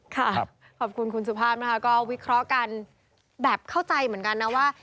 ขอบคุณคุณสุภาพนะคะก็วิเคราะห์กันแบบเข้าใจเหมือนกันนะว่า